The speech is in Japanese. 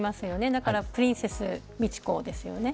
だからプリンセスミチコですよね。